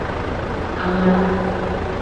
Angmaala.